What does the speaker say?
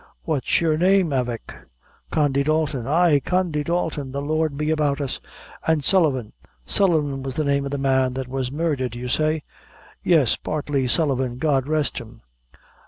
What's your name, avick?" "Condy Dalton." "Ay, Condy Dalton! the Lord be about us! An' Sullivan Sullivan was the name of the man that was murdhered, you say?" "Yes, Bartley Sullivan God rest him!"